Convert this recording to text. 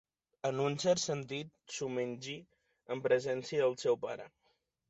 En un cert sentit, s'ho mengi en presència del seu pare.